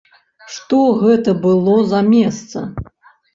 Што гэта было за месца!